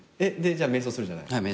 じゃあ瞑想するじゃない。